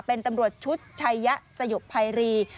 เป็นตำรวจชุดชัยยะสยบภัยรี